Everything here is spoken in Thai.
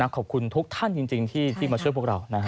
ขอบคุณทุกท่านจริงที่มาช่วยพวกเรา